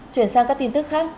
chuyển sang các tin tức khác